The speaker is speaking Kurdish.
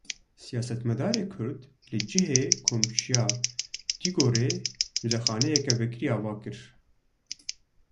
Siyasetmedarê Kurd li cihê Komkujiya Dugorê muzexaneyeke vekirî ava kir.